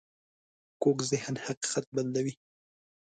کوږ ذهن حقیقت بدلوي